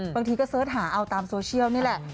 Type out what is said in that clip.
บางทีก็เสิร์ชหาเอาตามโซเชียลนี่แหละ